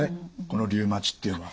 このリウマチっていうのは。